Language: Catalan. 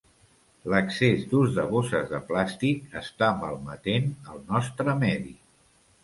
L'excés d'ús de bosses de plàstic està malmetent el nostre medi.